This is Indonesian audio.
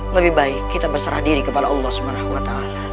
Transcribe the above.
lebih baik kita berserah diri kepada allah swt